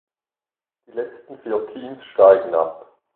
Die letzten vier Teams steigen ab.